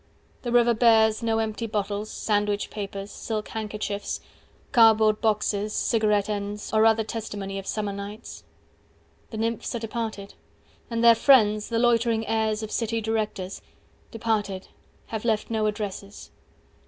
The river bears no empty bottles, sandwich papers, Silk handkerchiefs, cardboard boxes, cigarette ends Or other testimony of summer nights. The nymphs are departed. And their friends, the loitering heirs of city directors; 180 Departed, have left no addresses.